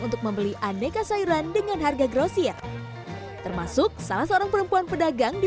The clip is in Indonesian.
untuk membeli aneka sayuran dengan harga grosir termasuk salah seorang perempuan pedagang di